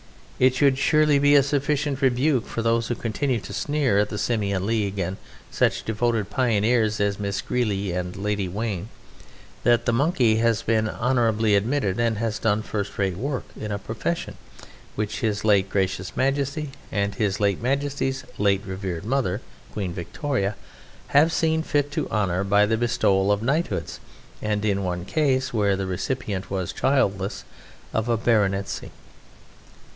It should surely be a sufficient rebuke for those who continue to sneer at the Simian League and such devoted pioneers as Miss Greeley and Lady Wayne that the Monkey has been honourably admitted and has done first rate work in a profession which His late Gracious Majesty and His late Majesty's late revered mother, Queen Victoria, have seen fit to honour by the bestowal of knighthoods, and in one case (where the recipient was childless) of a baronetcy.